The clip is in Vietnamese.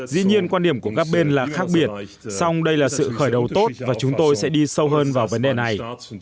dĩ nhiên quan điểm của các bên là khác biệt song đây là sự khởi đầu tốt và chúng tôi sẽ đi sâu hơn vào vấn đề này